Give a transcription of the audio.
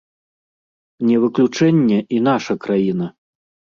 Не выключэнне і наша краіна.